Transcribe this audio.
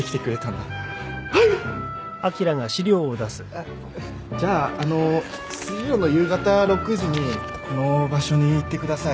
あっじゃああの水曜の夕方６時にこの場所に行ってください。